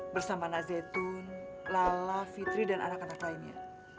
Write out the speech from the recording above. bersama nak zaitun lala fitri dan anak anak lainnya